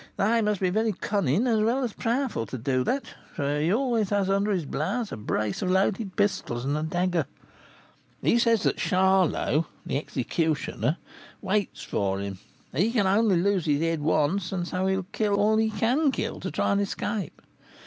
"They must be very cunning, as well as powerful, to do that, for he always has under his blouse a brace of loaded pistols and a dagger. He says that Charlot (the executioner) waits for him, and he can only lose his head once, and so he will kill all he can kill to try and escape.